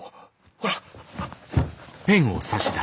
ほら！